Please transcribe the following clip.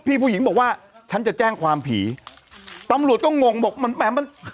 ผู้หญิงบอกว่าฉันจะแจ้งความผีตำรวจก็งงบอกมันแหมมัน